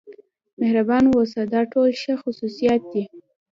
مهربان اوسه دا ټول ښه خصوصیات دي.